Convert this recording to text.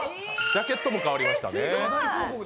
ジャケットも変わりましたね。